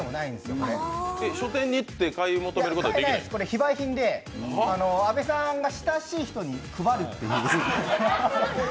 これ非売品で、安部さんが親しい人に配るっていう。